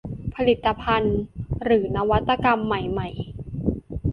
ผลิตภัณฑ์หรือนวัตกรรมใหม่ใหม่